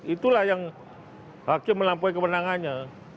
itulah yang hakim melampaui kewenangannya